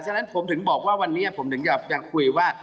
ฉะนั้นผมถึงบอกว่าวันนี้ผมถึงจะคุยว่า